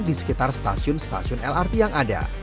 di sekitar stasiun stasiun lrt yang ada